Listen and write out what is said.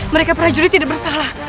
mereka perajuri tidak bersalah